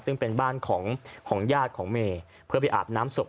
ซึ่งเป็นบ้านของญาติของเมย์เพื่อไปอาบน้ำศพ